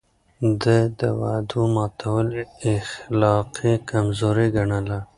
ده د وعدو ماتول اخلاقي کمزوري ګڼله.